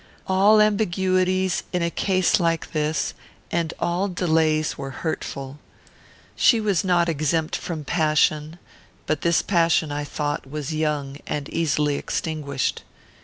All ambiguities, in a case like this, and all delays, were hurtful. She was not exempt from passion, but this passion, I thought, was young, and easily extinguished.